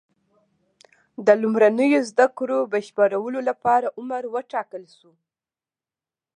د لومړنیو زده کړو بشپړولو لپاره عمر وټاکل شو.